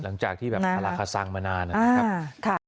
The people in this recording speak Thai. ตั้งจากที่อลักษังมานานนะครับ